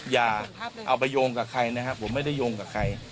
อย่าเอาไปโยงกับใครนะครับผมไม่ได้โยงกับใคร